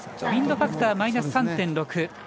ウインドファクターマイナス３．６。